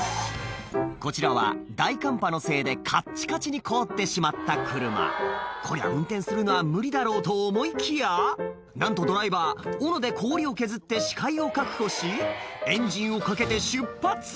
こちらは大寒波のせいでカッチカチに凍ってしまった車こりゃ運転するのは無理だろうと思いきやなんとドライバーオノで氷を削って視界を確保しエンジンをかけて出発